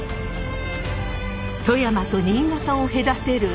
富山と新潟を隔てるワケメ。